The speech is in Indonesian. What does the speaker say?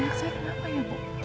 saya kenapa ya bu